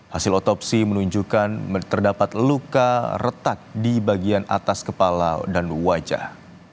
hasil otopsi menunjukkan terdapat luka retak di bagian atas kepala dan wajah